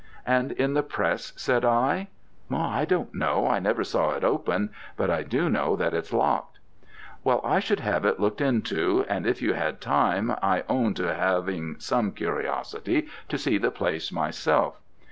'And in the press?' said I. 'I don't know; I never saw it opened, but I do know that it's locked.' 'Well, I should have it looked into, and, if you had time, I own to having some curiosity to see the place myself.'